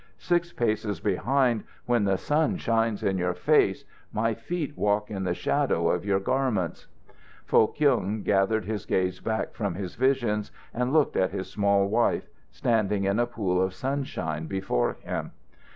Six paces behind, when the sun shines in your face, my feet walk in the shadow of your garments." Foh Kyung gathered his gaze back from his visions and looked at his small wife, standing in a pool of sunshine before him.